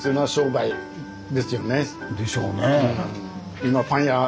でしょうね。